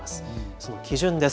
その基準です。